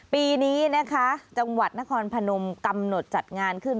ปีนี้นะคะจังหวัดนครพนมกำหนดจัดงานขึ้น